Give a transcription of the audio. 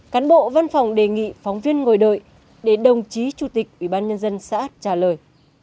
cán bộ văn phòng đề nghị phóng viên ngồi đợi để đồng chí chủ tịch ủy ban nhân dân xã trả lời